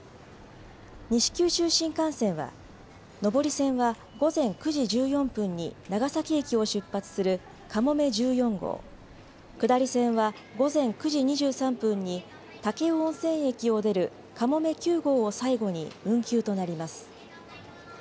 西九州新幹線は上り線は午前９時１４分に長崎駅を出発するかもめ１４号、下り線は午前９時２３分に武雄温泉駅を出るかもめ９号を最後に運休となります。